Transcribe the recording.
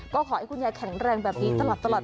ก็ขอให้คุณยายแข็งแรงแบบนี้ตลอด